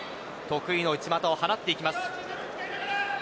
得意の内股を放っていきます。